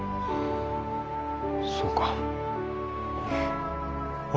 そうか。